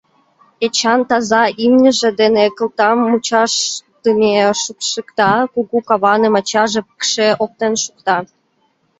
Эчан таза имньыж дене кылтам мучашдыме шупшыкта, кугу каваным ачаже пыкше оптен шукта.